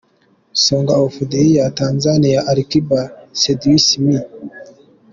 Song of the Year Tanzania AliKiba – Seduce Me.